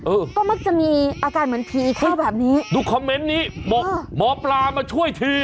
เออก็มักจะมีอาการเหมือนผีคู่แบบนี้ดูคอมเมนต์นี้บอกหมอปลามาช่วยที